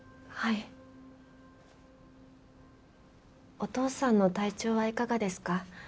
お父さんの体調はいかがですか？